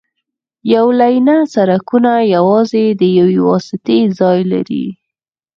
یو لینه سړکونه یوازې د یوې واسطې ځای لري